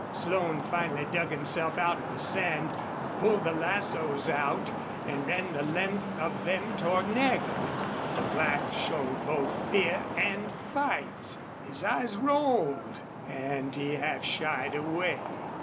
Slone finally dug himself out of the sand, pulled the lassoes out, and ran the length of them toward Nagger. The black showed both fear and fight. His eyes roiled and he half shied away.